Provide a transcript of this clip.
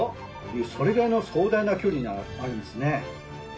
それぐらいの壮大な距離があるんですね。